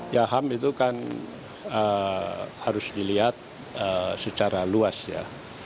ya ham itu kan harus dilihat secara luas ya